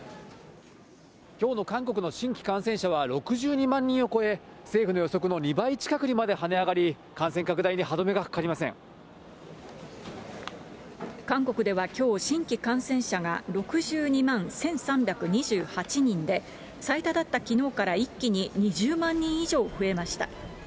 きょうの韓国の新規感染者は６２万人を超え、政府の予測の２倍近くにまで跳ね上がり、感染拡大に歯止めがかか韓国ではきょう、新規感染者が６２万１３２８人で、最多だったきのうから一気に２０万人以上増えました。